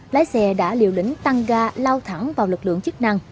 lái xe đã liều lĩnh tăng ga lao thẳng vào lực lượng chức năng